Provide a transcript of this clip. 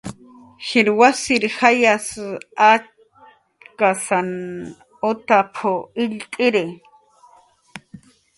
"Jir wasir jayas achkasan utap"" illt'iri"